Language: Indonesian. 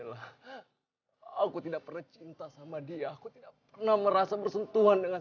lah aku tidak pernah cinta sama dia aku tidak pernah merasa bersentuhan dengan